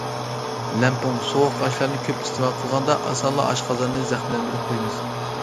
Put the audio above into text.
لەڭپۇڭ، سوغۇق ئاشلارنى كۆپ ئىستېمال قىلغاندا ئاسانلا ئاشقازاننى زەخىملەندۈرۈپ قويىمىز.